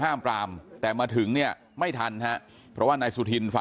ที่เกิดเกิดเหตุอยู่หมู่๖บ้านน้ำผู้ตะมนต์ทุ่งโพนะครับที่เกิดเกิดเหตุอยู่หมู่๖บ้านน้ำผู้ตะมนต์ทุ่งโพนะครับ